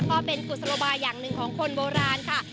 ก็เป็นกุศโลบายอย่างหนึ่งของคนโบราณค่ะ